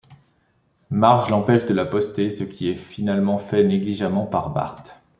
Marge l'empêche de la poster, ce qui est finalement fait négligemment par Bart.